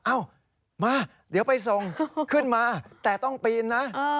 เอ้ามาเดี๋ยวไปส่งขึ้นมาแต่ต้องปีนนะ